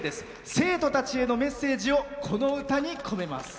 生徒たちへのメッセージをこの歌に込めます。